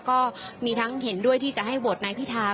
ก็มีทั้งเห็นด้วยที่จะให้โหวตนายพิธา